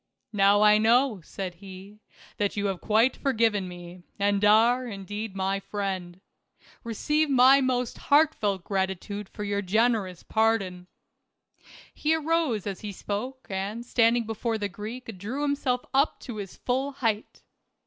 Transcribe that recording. "Now I know," said he, "that you have quite forgiven me, and are, indeed, my friend. Keceive my most heartfelt gratitude for your generous pardon." He arose as he spoke and standing before the Greek drew himself up to his full height.